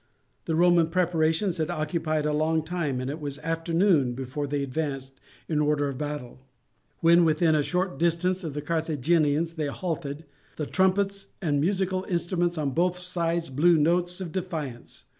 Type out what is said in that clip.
The Roman preparations had occupied a long time, and it was afternoon before they advanced in order of battle. When within a short distance of the Carthaginians they halted, and the trumpets and musical instruments on both sides blew notes of defiance.